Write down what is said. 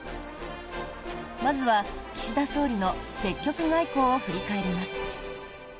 まずは、岸田総理の積極外交を振り返ります。